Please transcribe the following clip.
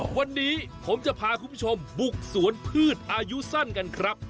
วันนี้ผมจะพาคุณผู้ชมบุกสวนพืชอายุสั้นกันครับ